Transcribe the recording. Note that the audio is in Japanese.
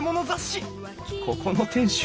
ここの店主